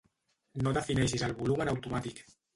No defineixis el volum en automàtic.